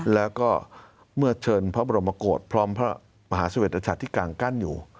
แล้วก็เมื่อเชิญพระบรมโกรธพร้อมพระมหาเสวดชาติที่กลางกั้นอยู่